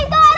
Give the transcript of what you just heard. eh kau lari